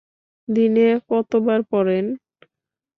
দিনে কতবার পড়েন?